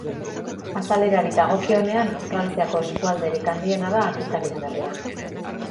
Azalerari dagokionean, Frantziako eskualderik handiena da Akitania Berria.